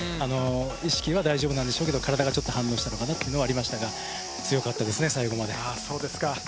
意識は大丈夫なんでしょうけど、体が反応したのかなっていうのはありましたが強かったですね、最後まで。